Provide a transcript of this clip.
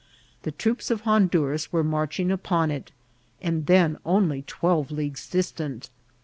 The troops of Honduras were marching upon it, and then only twelve leagues distant.